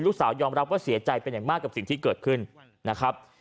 ลูกสาวยอมรับว่าเสียใจเป็นอย่างมากกับสิ่งที่เกิดขึ้นนะครับ